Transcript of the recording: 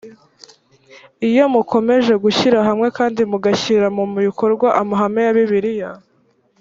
iyo mukomeje gushyira hamwe kandi mugashyira mu bikorwa amahame ya bibiliya